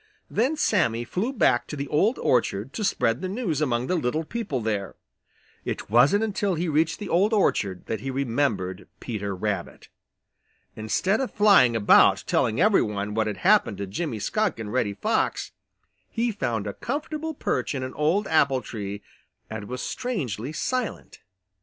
Then Sammy flew back to the Old Orchard to spread the news among the little people there. It wasn't until he reached the Old Orchard that he remembered Peter Rabbit. Instead of flying about telling every one what had happened to Jimmy Skunk and Reddy Fox, he found a comfortable perch in an old apple tree and was strangely silent.